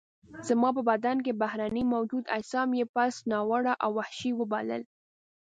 زما په بدن کې بهرني موجود اجسام یې پست، ناوړه او وحشي وبلل.